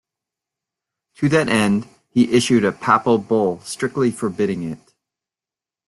To that end, he issued a papal bull strictly forbidding it.